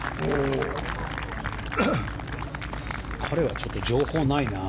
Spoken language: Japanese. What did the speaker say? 彼はちょっと情報ないな。